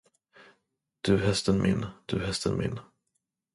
Du hästen min, du hästen min!